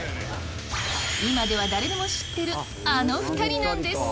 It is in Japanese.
今では誰でも知ってるあの２人なんです！